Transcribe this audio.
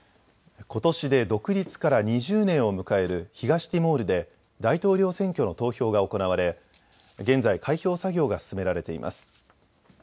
ことしで独立から２０年を迎える東ティモールで大統領選挙の投票が行われ、現在、開票作業が進められています。